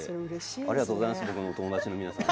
ありがとうございます。